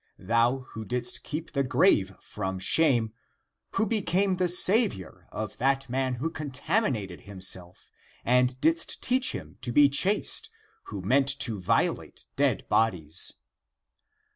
Thou who didst keep the grave from shame, who became the Saviour of that man who contaminated himself and didst teach him to be chaste who < meant to violate > dead bodies.